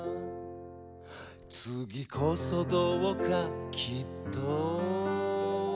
「次こそどうかきっと」